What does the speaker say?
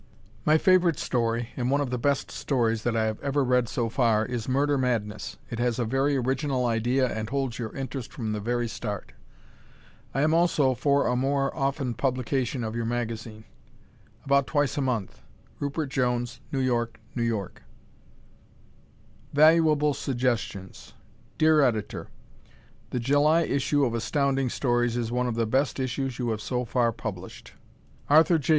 My favorite story, and one of the best stories that I have ever read so far, is "Murder Madness." It has a very original idea and holds your interest from the very start. I am also for a more often publication of your magazine; about twice a month Rupert Jones, New York, N. Y. Valuable Suggestions Dear Editor: The July issue of Astounding Stories is one of the best issues you have so far published. Arthur J.